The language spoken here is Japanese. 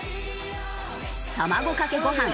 卵かけご飯